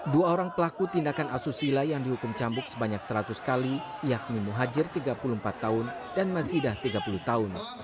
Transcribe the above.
dua orang pelaku tindakan asusila yang dihukum cambuk sebanyak seratus kali yakni muhajir tiga puluh empat tahun dan mazidah tiga puluh tahun